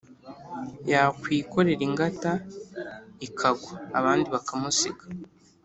yakwikorera ingata ikagwa abandi bakamusiga,